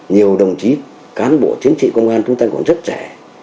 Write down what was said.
nhiều đồng chí cán bộ chiến sĩ công an chúng ta còn rất trẻ